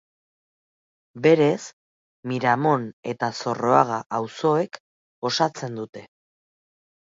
Berez Miramon eta Zorroaga auzoek osatzen dute.